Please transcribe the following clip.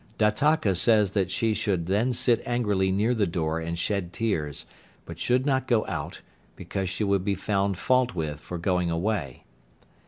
Dattaka says that she should then sit angrily near the door and shed tears, but should not go out, because she would be found fault with for going away.